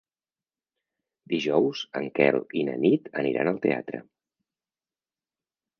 Dijous en Quel i na Nit aniran al teatre.